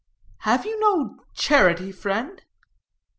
"Have you no charity, friend?"